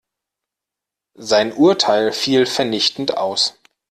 Sein Urteil fiel vernichtend aus.